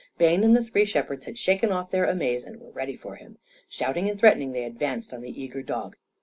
Bayne and the three shepherds had shaken off their amaze and were ready for him. Shouting and threatening they advanced on the eager dog.